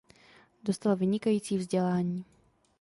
Dostal vynikající vzdělání.